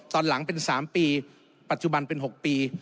ตอนหลังเป็น๓ปีปัจจุบันเป็น๖ปี